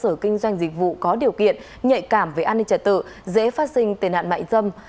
cơ sở kinh doanh dịch vụ có điều kiện nhạy cảm về an ninh trật tự dễ phát sinh tệ nạn mại dâm